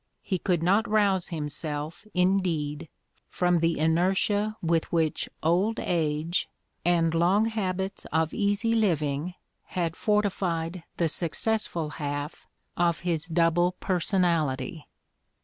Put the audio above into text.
He could not rouse himself, indeed, from the inertia with which old age and long habits of easy living had fortified the successful half of his double personality.